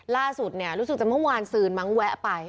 ล่าสุดรู้สึกจากเมื่อวานสืนมั้งแวะไป